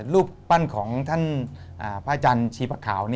รูปปั้นของท่านพระอาจารย์ชีพะขาว